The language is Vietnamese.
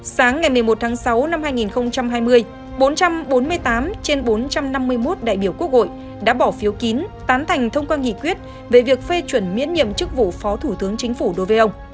sáng ngày một mươi một tháng sáu năm hai nghìn hai mươi bốn trăm bốn mươi tám trên bốn trăm năm mươi một đại biểu quốc hội đã bỏ phiếu kín tán thành thông qua nghị quyết về việc phê chuẩn miễn nhiệm chức vụ phó thủ tướng chính phủ đối với ông